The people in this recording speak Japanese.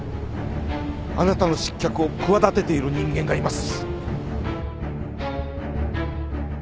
あなたの失脚を企てている人間がいます